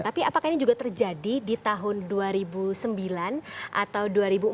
tapi apakah ini juga terjadi di tahun dua ribu sembilan atau dua ribu empat belas